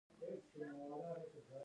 هدايتکار ئې Kevin Reynolds دے